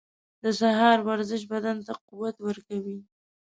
• د سهار ورزش بدن ته قوت ورکوي.